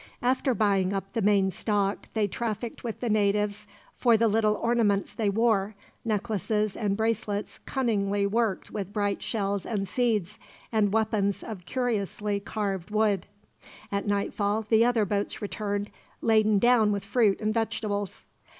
After buying up the main stock, they trafficked with the natives for the little ornaments they wore, necklaces and bracelets cunningly worked with bright shells and seeds, and weapons of curiously carved wood. At nightfall the other boats returned, laden down with fruit and vegetables.